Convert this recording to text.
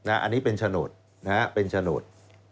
อันนี้เป็นฉโนด